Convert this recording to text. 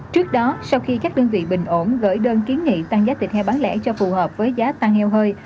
trước đó sau khi các đơn vị bình ổn gửi đơn kiến nghị tăng giá thịt heo bán lẻ cho phù hợp với giá tăng heo hơi